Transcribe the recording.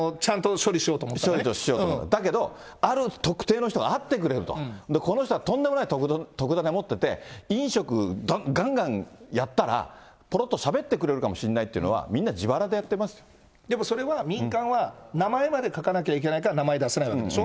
処理しようと思ったら、だけど、ある特定の人が会ってくれると、この人がとんでもない特ダネ持ってて、飲食、がんがんやったら、ぽろっとしゃべってくれるかもしんないっていうのは、みんなでもそれは、民間は名前まで書かなきゃいけないから名前出せないわけでしょ。